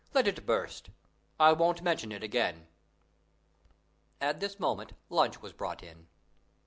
let it burst! I won't mention it again." At this moment lunch was brought in.